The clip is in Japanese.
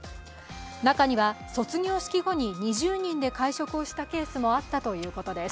中には卒業式後に２０人で会食をしたケースもあったということです。